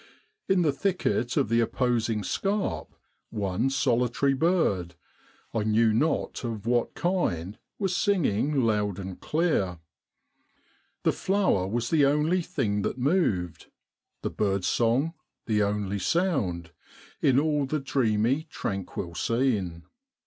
In the thicket of the opposing scarp one solitary bird, I knew not of what kind, was singing loud and clear. The flower was the only thing that moved, the bird's song the only sound, in all the dreamy tranquil scene.